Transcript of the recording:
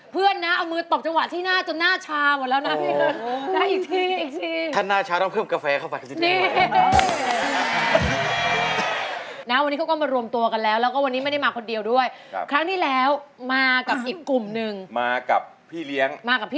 เพื่อนนะเอามือตบจังหวะที่หน้าจนหน้าชาหมดแล้วนะพี่